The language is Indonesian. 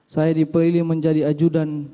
saya dipilih menjadi ajudan